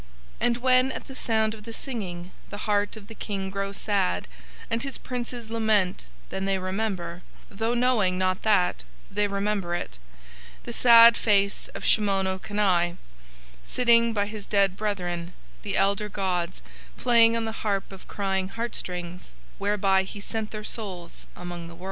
And when at the sound of the singing the heart of the King grows sad and his princes lament then they remember, though knowing not that, they remember it, the sad face of Shimono Kani sitting by his dead brethren, the elder gods, playing on the harp of crying heart strings whereby he sent their souls among the worlds.